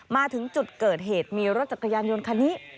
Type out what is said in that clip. มาถึงจุดเกิดเหตุมีรถจักรยานยนต์คันนี้